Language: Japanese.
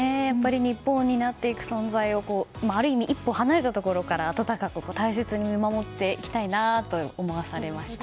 日本を担っていく存在をある意味一歩離れたところから温かく大切に見守っていきたいなと思わされました。